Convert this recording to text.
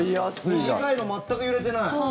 短いの全く揺れてない！